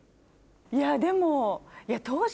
いやでも。